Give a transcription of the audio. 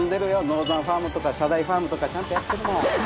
ノーザンファームとか社台ファームとかちゃんとやってるもん。